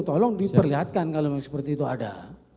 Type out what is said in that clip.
tolong diperlihatkan kalau memang seperti itu ada